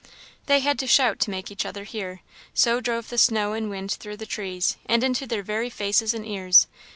They had to shout to make each other hear; so drove the snow and wind through the trees, and into their very faces and ears.